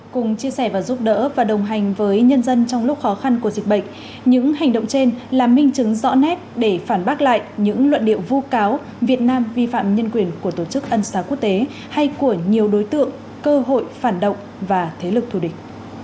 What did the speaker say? cùng chia sẻ và giúp đỡ và đồng hành với nhân dân trong lúc khó khăn của dịch bệnh những hành động trên là minh chứng rõ nét để phản bác lại những luận điệu vu cáo việt nam vi phạm nhân quyền của tổ chức ân xá quốc tế hay của nhiều đối tượng cơ hội phản động và thế lực thù địch